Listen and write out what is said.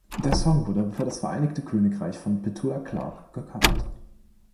Der Song wurde für das Vereinigte Königreich von Petula Clark gecovert.